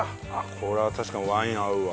これは確かにワイン合うわ。